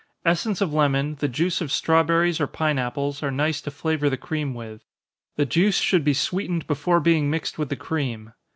Essence of lemon, the juice of strawberries or pine apples, are nice to flavor the cream with the juice should be sweetened before being mixed with the cream.